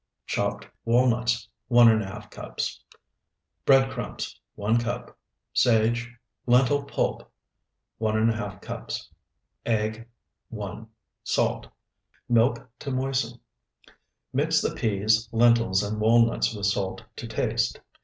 Chopped walnuts, 1½ cups. Bread crumbs, 1 cup. Sage. Lentil pulp, 1½ cups. Egg, 1. Salt. Milk to moisten. Mix the peas, lentils, and walnuts with salt to taste.